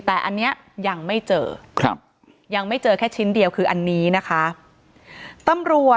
แต่อันเนี้ยังไม่เจอยังไม่เจอแค่ชิ้นเดียวคืออันนี้นะคะ